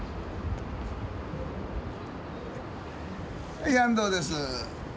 はい安藤です。